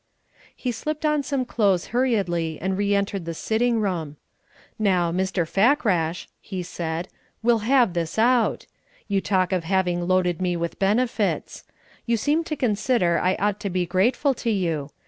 He slipped on some clothes hurriedly and re entered the sitting room. "Now, Mr. Fakrash," he said, "we'll have this out. You talk of having loaded me with benefits. You seem to consider I ought to be grateful to you.